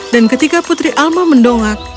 dan ketika putri alma mendongak